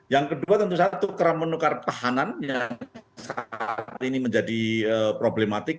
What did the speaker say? yang kedua tentu saja kerap menukar tahanan yang saat ini menjadi problematik